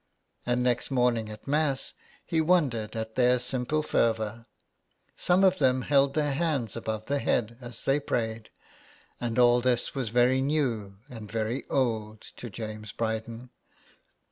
And next morning at Mass he wondered at their simple fervour. Some of them held their hands above their head as they prayed, and all this was very new and very old to James Bryden.